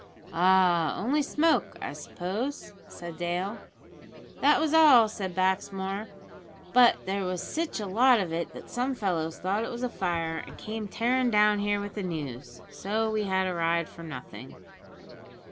"Ah! only smoke, I suppose," said Dale. "That was all," said Baxmore, "but there was sitch a lot of it that some fellows thought it was a fire, an' came tearin' down here wi' the news, so we had a ride for nothing."